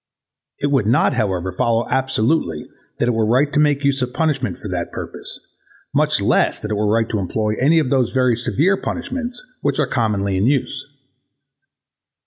It would not however follow absolutely that it were right to make use of punishment for that purpose, much less that it were right to employ any of those very severe punishments which are commonly in use.